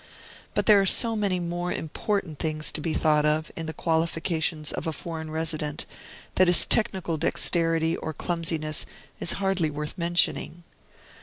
But there are so many more important things to be thought of, in the qualifications of a foreign resident, that his technical dexterity or clumsiness is hardly worth mentioning.